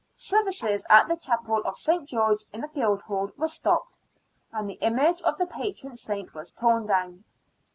Services at the Chapel of St. George in the Guildhall were stopped, and the image of the patron saint was torn down.